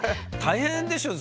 大変でしょ？